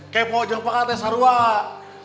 kepo jangan peka te saruah